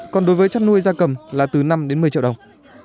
còn đối với chăn nuôi ra cầm là từ năm đến một mươi triệu đồng